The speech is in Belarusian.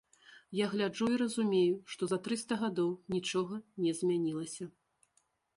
Я гляджу і разумею, што за трыста гадоў нічога не змянілася.